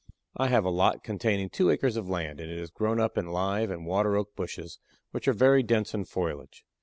I have a lot containing two acres of land, and it is grown up in live and water oak bushes which are very dense in foliage.